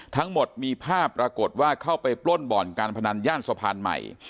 ทั้งหมดมีภาพปรากฏว่าเข้าไปปล้นบ่อนการพนันย่านสะพานใหม่